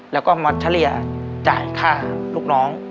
แล้วก็มาเฉลี่ยจ่ายค่าลูกน้อง